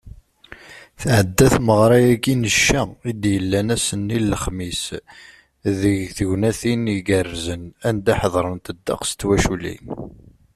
Tɛedda tmeɣra-agi n cca i d-yellan ass-nni n lexmis deg tegnatin igerrzen, anda ḥeḍrent ddeqs n twaculin.